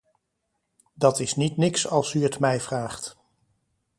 Dat is niet niks als u het mij vraagt.